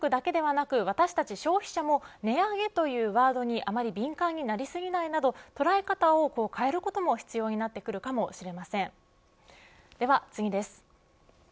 よく物価上昇を上回る賃上げと言いますが企業努力だけでなく、私たち消費者も、値上げというワードにあまり敏感になりすぎないなどとらえ方を変えることも必要になってくるかもしれません。